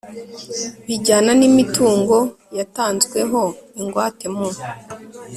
bijyana n imitungo yatanzweho ingwate mu